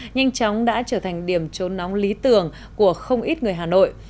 nhanh chóng đã trở thành điểm trốn nóng lý tưởng của không ít người hà nội